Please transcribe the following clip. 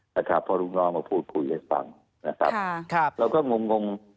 แต่ถ้าพ่อลูกน้องมาพูดคุยให้ฟังนะครับค่ะครับเราก็งง